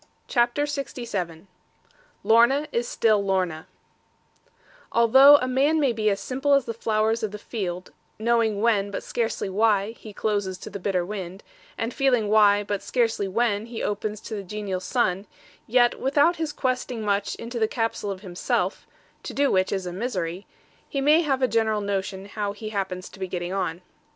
CHAPTER LXVII LORNA STILL IS LORNA Although a man may be as simple as the flowers of the field; knowing when, but scarcely why, he closes to the bitter wind; and feeling why, but scarcely when, he opens to the genial sun; yet without his questing much into the capsule of himself to do which is a misery he may have a general notion how he happens to be getting on.